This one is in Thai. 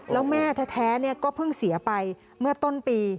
แล้วแม่แท้ก็เพิ่งเสียไปเมื่อต้นปี